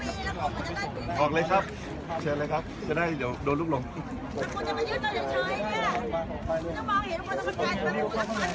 มีผู้ที่ได้รับบาดเจ็บและถูกนำตัวส่งโรงพยาบาลเป็นผู้หญิงวัยกลางคน